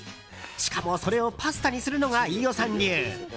しかも、それをパスタにするのが飯尾さん流。